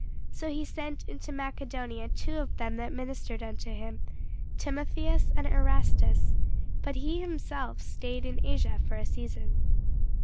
So he sent into Macedonia two of them that ministered unto him, Timotheus and Erastus; but he himself stayed in Asia for a season.